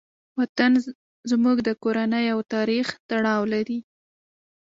وطن زموږ د کورنۍ او تاریخ تړاو لري.